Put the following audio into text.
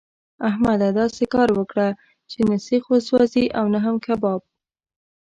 احمده! داسې کار وکړه چې نه سيخ وسوځي او نه هم کباب.